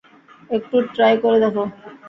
একটু ট্রাই করে দেখো।